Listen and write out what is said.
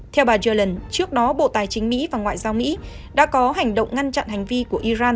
theo bà yellen trước đó bộ tài chính mỹ và ngoại giao mỹ đã có hành động ngăn chặn hành vi của iran